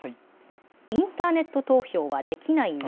インターネット投票はできないの？